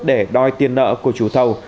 để đòi tiền nợ của chú thầu